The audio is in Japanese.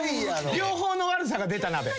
両方の悪さが出た鍋。